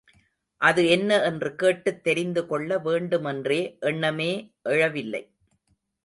அது என்ன என்று கேட்டுத் தெரிந்துகொள்ள வேண்டுமென்ற எண்ணமே எழவில்லை.